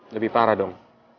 lebih parah dong